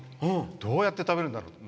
どうやって食べるんだろうって。